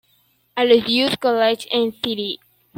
Aloysius' College, en el St.